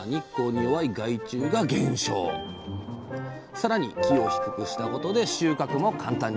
更に木を低くしたことで収穫も簡単に。